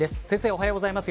おはようございます。